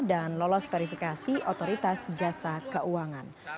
dan lolos verifikasi otoritas jasa keuangan